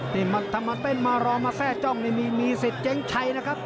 ทำมาเต้นมารอมาแทร่จ้องนี่มีเศษเจ๊งชัยนะครับ